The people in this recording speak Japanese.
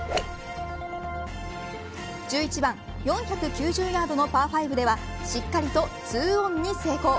１１番４９０ヤードのパー５ではしっかりと２オンに成功。